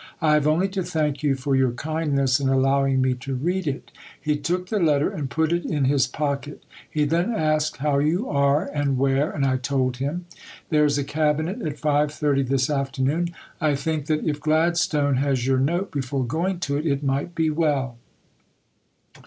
I have only to thank you for your kindness in allowing me to read it." He took the letter and put it in his pocket. He then asked how you are, and where, and I told him. There is a Cabinet at 5.30 this afternoon. I think that if Gladstone has your note before going to it, it might be well.